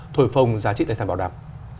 thổi phồng giá trị tài sản bảo đảm